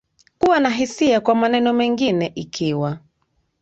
Kuwa na hisia kwa maneno mengine Ikiwa